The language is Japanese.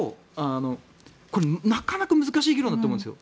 なかなか難しい議論だと思うんですよ。